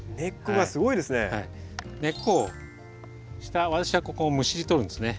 根っこを私はここをむしりとるんですね。